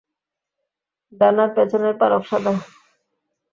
ডানার পেছনের পালক সাদা।